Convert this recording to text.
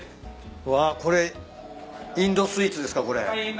うわこれインドスイーツですかこれ。